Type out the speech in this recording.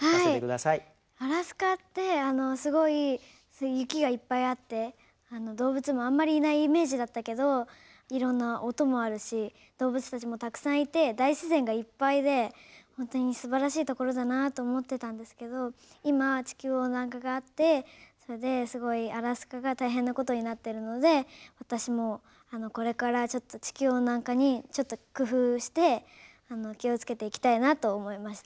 アラスカってすごい雪がいっぱいあって動物もあんまりいないイメージだったけどいろんな音もあるし動物たちもたくさんいて大自然がいっぱいでほんとにすばらしい所だなぁと思ってたんですけど今地球温暖化があってそれですごいアラスカが大変なことになってるので私もこれから地球温暖化にちょっと工夫して気をつけていきたいなと思いました。